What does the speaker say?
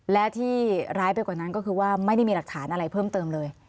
และที่ร้ายไปกว่านั้นก็คือว่าไม่ได้มีหลักฐานอะไรเพิ่มเติมเลย